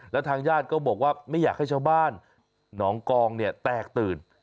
แล้วทางญาติก็บอกว่าไม่อยากให้ชาวบ้านหนองกองเนี่ยแตกตื่น